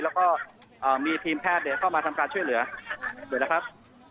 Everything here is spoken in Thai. แล้วก็มีทีมแพทย์เข้ามาทำการช่วยเหลือด้วยนะครับ